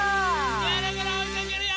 ぐるぐるおいかけるよ！